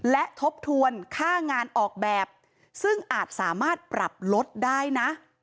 และทบทวนค่างานออกแบบซึ่งอาจสามารถปรับลดได้นะ